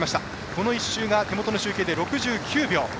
この１周が手元の集計で６９秒。